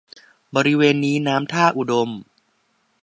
บริเวณนี้น้ำท่าอุดม